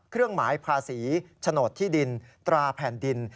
เครื่องหมายภาษีโฉนดที่ดินตราแผ่นดิน